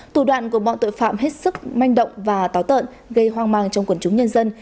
thủ đoạn của bọn tội phạm hết sức manh động và táo tợn gây hoang mang trong quần chúng nhân dân